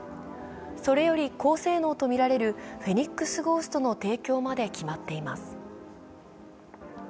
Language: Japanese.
それより高性能とみられるフェニックスゴーストの提供まで決まっています。